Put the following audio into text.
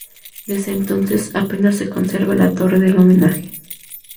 Desde entonces, apenas se conserva la torre del homenaje.